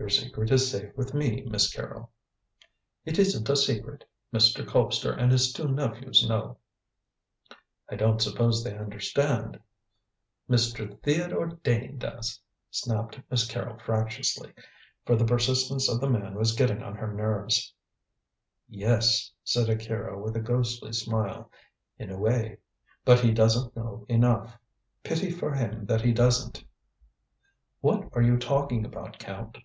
"Your secret is safe with me, Miss Carrol." "It isn't a secret. Mr. Colpster and his two nephews know." "I don't suppose they understand." "Mr. Theodore Dane does!" snapped Miss Carrol fractiously, for the persistence of the man was getting on her nerves. "Yes," said Akira with a ghostly smile; "in a way; but he doesn't know enough. Pity for him that he doesn't." "What are you talking about, Count?"